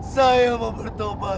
saya mau bertobat